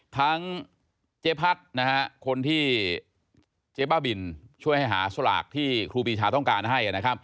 ทั้งเจ๊พัดคนที่เจ๊บ้าบินช่วยให้หาสลากที่ครูปีชาต้องการให้